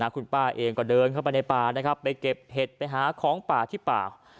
คุณป้าเองก็เดินเข้าไปในป่านะครับไปเก็บเห็ดไปหาของป่าที่ป่า